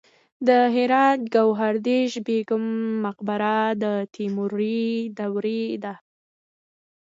د هرات ګوهردش بیګم مقبره د تیموري دورې ده